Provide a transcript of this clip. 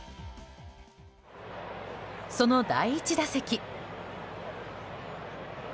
その第１打席。